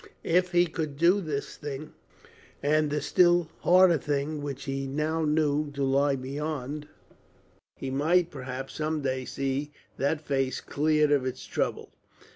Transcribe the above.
If he could do this thing, and the still harder thing which now he knew to lie beyond, he might perhaps some day see that face cleared of its trouble.